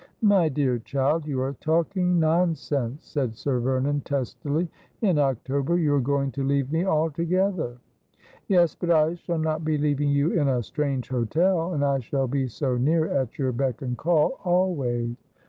' My dear child, you are talking nonsense,' said Sir Vernon testily. ' 111 October you are going to leave me altogether.' ' Yes ; but I shall not be leaving you in a strange hotel ; and I shall be so near, at your beck and call, always.'